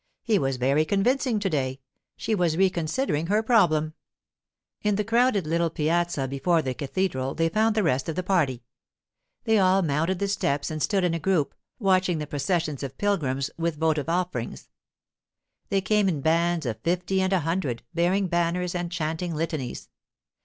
He was very convincing to day; she was reconsidering her problem. In the crowded little piazza before the cathedral they found the rest of the party. They all mounted the steps and stood in a group, watching the processions of pilgrims with votive offerings. They came in bands of fifty and a hundred, bearing banners and chanting litanies.